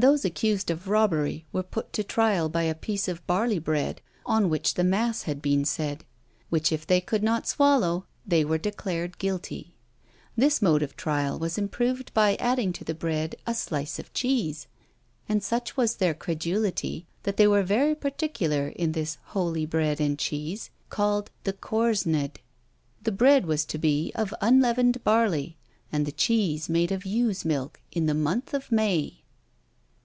Those accused of robbery were put to trial by a piece of barley bread, on which the mass had been said; which if they could not swallow, they were declared guilty. This mode of trial was improved by adding to the bread a slice of cheese; and such was their credulity, that they were very particular in this holy bread and cheese, called the corsned. The bread was to be of unleavened barley, and the cheese made of ewe's milk in the month of May.